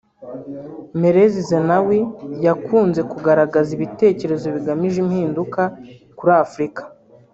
Meles Zenawi yakunze kugaragaza ibitekerezo bigamije impinduka kuri Afurika